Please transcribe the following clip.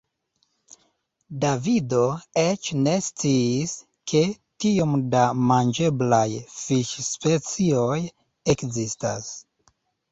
Davido eĉ ne sciis, ke tiom da manĝeblaj fiŝspecioj ekzistas.